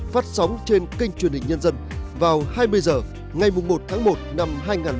phát sóng trên kênh truyền hình nhân dân vào hai mươi h ngày một tháng một năm hai nghìn hai mươi